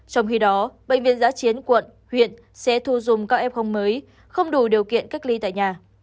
trong khi đó bệnh viện giã chiến quận huyện sẽ thu dùng các f mới không đủ điều kiện cách ly tại nhà